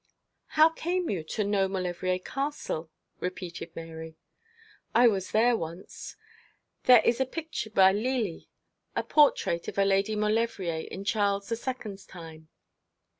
'How came you to know Maulevrier Castle?' repeated Mary. 'I was there once. There is a picture by Lely, a portrait of a Lady Maulevrier in Charles the Second's time.